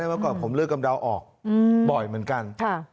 เมื่อก่อนผมเลือกกำเดาออกบ่อยเหมือนกัน